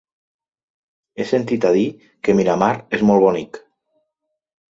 He sentit a dir que Miramar és molt bonic.